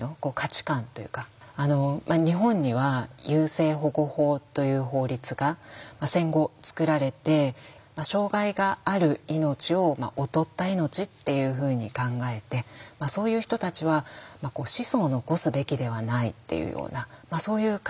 日本には優生保護法という法律が戦後作られて障害がある命を劣った命っていうふうに考えてそういう人たちは子孫を残すべきではないっていうようなそういう考え方。